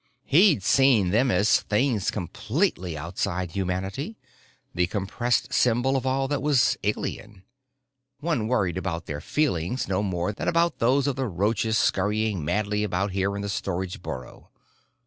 He'd seen them as things completely outside humanity, the compressed symbol of all that was alien. One worried about their feelings no more than about those of the roaches scurrying madly about here in the storage burrow.